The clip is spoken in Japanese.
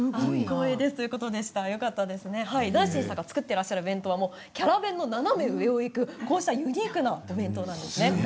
ｎａｎｃｙさんが作っていらっしゃるお弁当もキャラ弁の斜め上をいくユニークなお弁当なんですよね。